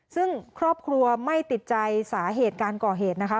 ซึ่งครอบครัวไม่ติดใจสาเหตุการก่อเหตุนะคะ